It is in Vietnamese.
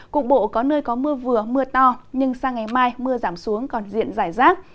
cục bộ có nơi có mưa vừa mưa to nhưng sang ngày mai mưa giảm xuống còn diện giải rác